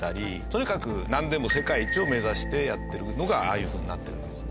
とにかくなんでも世界一を目指してやってるのがああいうふうになってるわけです。